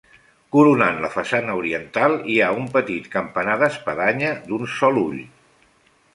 Coronant la façana oriental hi ha un petit campanar d'espadanya d'un sol ull.